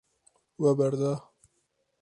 We berda.